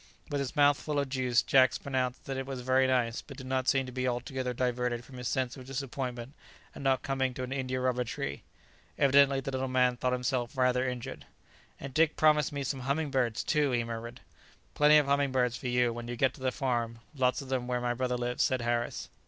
With his mouth full of juice, Jack pronounced that it was very nice, but did not seem to be altogether diverted from his sense of disappointment at not coming to an India rubber tree. Evidently the little man thought himself rather injured. "And Dick promised me some humming birds too!" he murmured. "Plenty of humming birds for you, when you get to the farm; lots of them where my brother lives," said Harris.